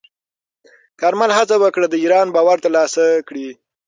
کارمل هڅه وکړه د ایران باور ترلاسه کړي.